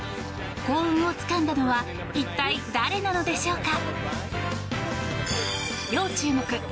幸運をつかんだのは一体誰なのでしょうか。